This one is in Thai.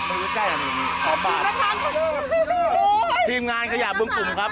ใกล้สามบาทขอบคุณนะครับโอ้ยทีมงานขยะบุ๋มบุ๋มครับ